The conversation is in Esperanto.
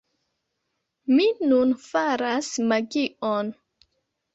Ni nun faras magion